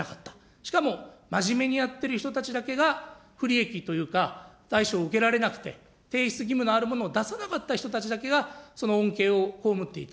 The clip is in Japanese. しかも真面目にやってる人たちだけが不利益というか、対処を受けられなくて、提出義務のあるものを出さなかった人たちだけがその恩恵を被っていた。